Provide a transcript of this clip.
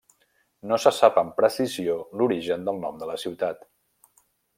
No se sap amb precisió l'origen del nom de la ciutat.